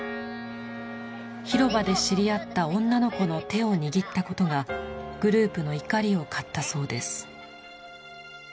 広場で知り合った女の子の手を握ったことがグループの怒りを買ったそうです。